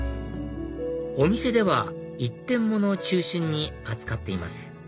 お店では一点物を中心に扱っています